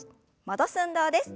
戻す運動です。